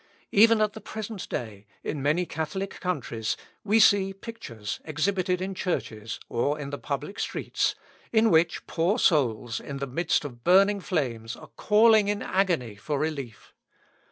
Even at the present day, in many Catholic countries, we see pictures exhibited in churches, or in the public streets, in which poor souls in the midst of burning flames are calling in agony for relief.